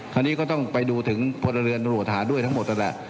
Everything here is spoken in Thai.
คราวนี้ก็ต้องไปดูถึงพลเรือนตรวจหาด้วยทั้งหมดนั่นแหละ